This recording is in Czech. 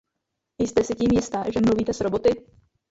Jste si tím jista, že mluvíte s Roboty?